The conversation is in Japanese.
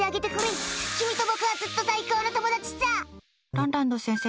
ランランド先生